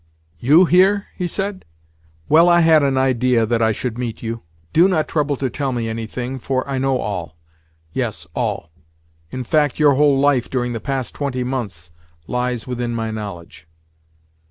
"You here?" he said. "Well, I had an idea that I should meet you. Do not trouble to tell me anything, for I know all—yes, all. In fact, your whole life during the past twenty months lies within my knowledge."